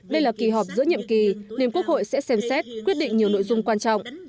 đây là kỳ họp giữa nhiệm kỳ nên quốc hội sẽ xem xét quyết định nhiều nội dung quan trọng